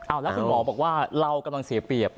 แล้วคุณหมอบอกว่าเรากำลังเสียเปรียบ